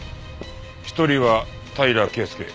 一人は平良圭介。